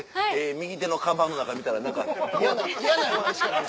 右手のカバンの中見たら何か嫌な嫌な予感しかない。